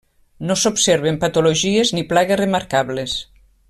No s'observen patologies ni plagues remarcables.